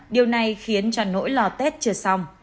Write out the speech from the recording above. điều này khiến cho nỗi lo tết chưa xong